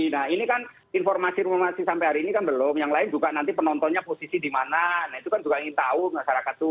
nah ini kan informasi informasi sampai hari ini kan belum yang lain juga nanti penontonnya posisi di mana itu kan juga ingin tahu masyarakat itu